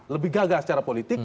lebih gagah secara politik